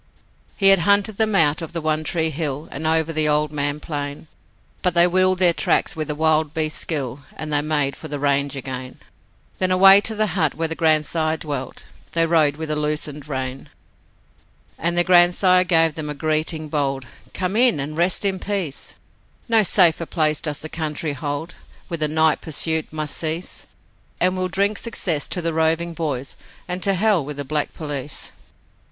He had hunted them out of the One Tree Hill And over the Old Man Plain, But they wheeled their tracks with a wild beast's skill, And they made for the range again. Then away to the hut where their grandsire dwelt, They rode with a loosened rein. And their grandsire gave them a greeting bold: 'Come in and rest in peace, No safer place does the country hold With the night pursuit must cease, And we'll drink success to the roving boys, And to hell with the black police.'